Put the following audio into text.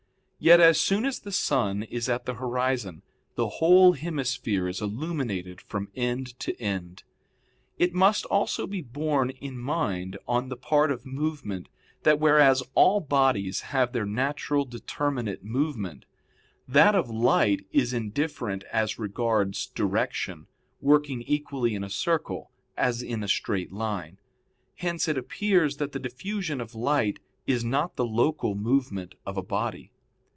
Yet as soon as the sun is at the horizon, the whole hemisphere is illuminated from end to end. It must also be borne in mind on the part of movement that whereas all bodies have their natural determinate movement, that of light is indifferent as regards direction, working equally in a circle as in a straight line. Hence it appears that the diffusion of light is not the local movement of a body.